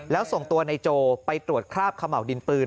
แล้วส่งตัวนายโจไปตรวจคราบเขม่าวดินปืน